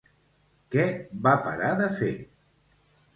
Què va parar de fer?